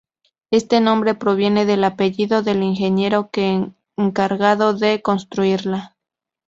Este nombre proviene del apellido del ingeniero que encargado de construirla.